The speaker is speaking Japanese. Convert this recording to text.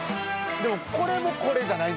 でもこれもこれじゃないねんね。